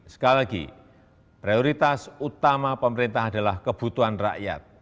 sekali lagi prioritas utama pemerintah adalah kebutuhan rakyat